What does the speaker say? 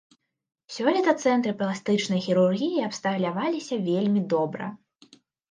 Сёлета цэнтры пластычнай хірургіі абсталяваліся вельмі добра.